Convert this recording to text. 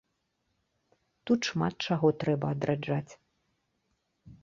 Тут шмат чаго трэба адраджаць.